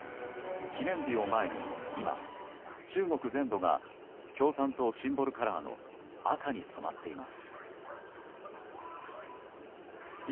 記念日を前に今、中国全土が共産党シンボルカラーの紅に染まっています。